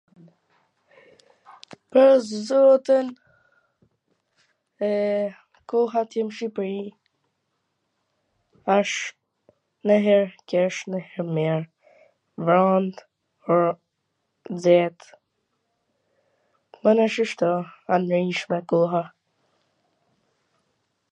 Pwr zotin, eee, koha atje n Shqipri asht ndonjher keq ndonjher mir, vrant, nxet, mana, shishto, e pandinjshme koha...